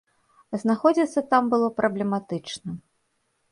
Знаходзіцца там было праблематычна.